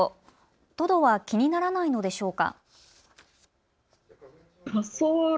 トドは気にならないのでしょうか。